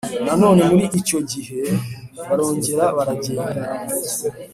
Nanone muri icyo gihe barongera baragenda